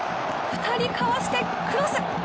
２人かわしてクロス！